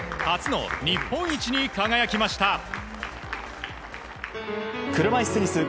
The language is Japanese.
初の日本一に輝きました！